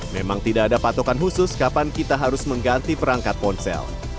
memang tidak ada patokan khusus kapan kita harus mengganti perangkat ponsel